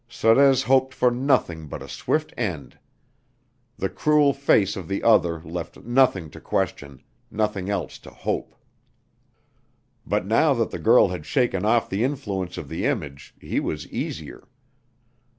Sorez hoped for nothing but a swift end. The cruel face of the other left nothing to question, nothing else to hope. But now that the girl had shaken off the influence of the image he was easier.